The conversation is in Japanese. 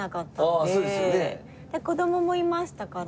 で子供もいましたから。